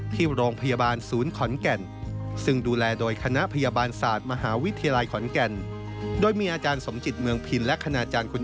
ที่โรงพยาบาลศูนย์ขนแก่น